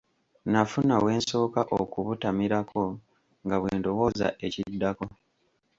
Nafuna we nsooka okubutamirako nga bwe ndowooza ekiddako.